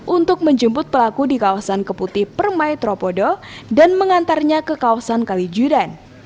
untuk menjemput pelaku di kawasan keputi permai tropodo dan mengantarnya ke kawasan kalijudan